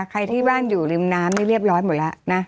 ใครที่บ้านอยู่ริมน้ำนี่เรียบร้อยหมดแล้วนะ